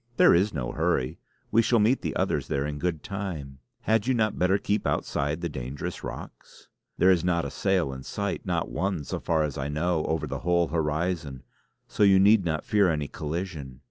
There is no hurry; we shall meet the others there in good time. Had you not better keep outside the dangerous rocks. There is not a sail in sight; not one, so far as I know, over the whole horizon, so you need not fear any collision.